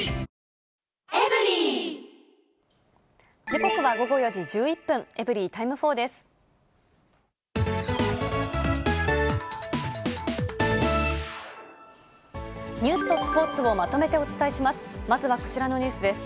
時刻は午後４時１１分、エブリィタイム４です。